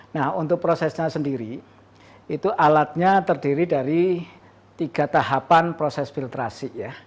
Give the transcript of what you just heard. nah untuk prosesnya sendiri itu alatnya terdiri dari tiga tahapan proses filtrasi ya